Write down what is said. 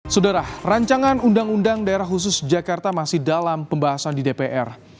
sudara rancangan undang undang daerah khusus jakarta masih dalam pembahasan di dpr